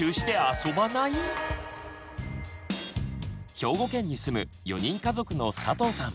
兵庫県に住む４人家族の佐藤さん。